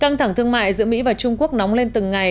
căng thẳng thương mại giữa mỹ và trung quốc nóng lên từng ngày